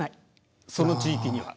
その地域には。